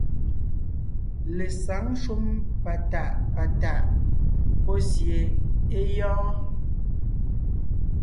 Lesǎŋ shúm patàʼ patàʼ pɔ́ sie é gyɔ́ɔn.